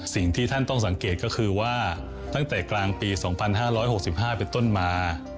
สิ่งที่ท่านต้องสังเกตก็คือว่าตั้งแต่กลางปี๒๕๖๕เป็นต้นมา